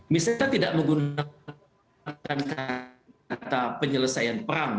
misalnya tidak menggunakan kata penyelesaian perang